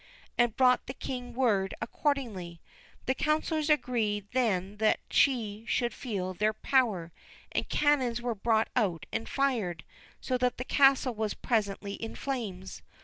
and brought the king word accordingly. The councilors agreed then that she should feel their power, and cannons were brought out and fired, so that the castle was presently in flames.